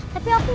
tapi aku gak mau